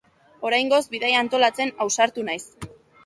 Oraingoz, bidaia antolatzen ausartu naiz.